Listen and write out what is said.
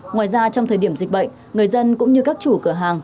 ngoài ra trong thời điểm dịch bệnh người dân cũng như các chủ cửa hàng